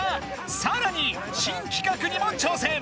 さらに新企画にも挑戦！